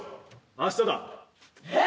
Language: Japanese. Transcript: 明日だ。え！？